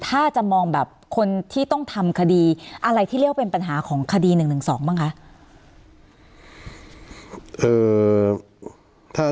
ถ้าจะมองแบบคนที่ต้องทำคดีอะไรที่เรียกว่าเป็นปัญหาของคดี๑๑๒บ้างคะ